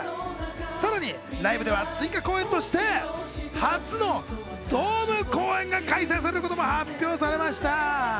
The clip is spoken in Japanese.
さらにライブでは追加公演として初のドーム公演が開催されることも発表されました。